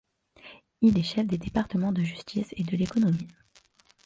Il est chef des départements de Justice et de l'Économie.